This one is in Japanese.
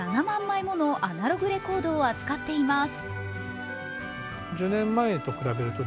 ７万枚ものアナログレコードを扱っています。